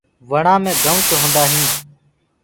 وڻآ مي گنُوچ هوندآ هينٚ۔